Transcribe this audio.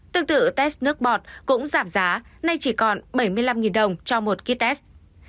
tương tự test nước bọt cũng giảm giá nay chỉ còn bảy mươi năm đồng cho một kít test